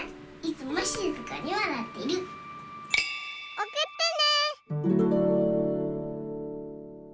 ・おくってね！